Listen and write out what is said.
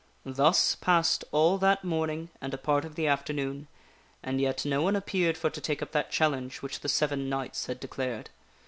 Thus passed all that morning and a part of the afternoon, and yet no one appeared for to take up that challenge which the seven knights had declared.